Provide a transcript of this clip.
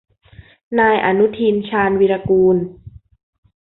นายอนุทิน ชาญวีรกูล